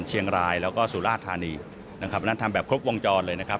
เชียงรายแล้วก็สุราธานีนะครับเพราะฉะนั้นทำแบบครบวงจรเลยนะครับ